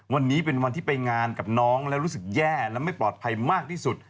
วันนี้เป็นวันที่ไปงานกับน้องแล้วรู้สึกแย่และไม่ปลอดภัยมากที่สุด